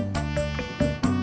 abang udah pulang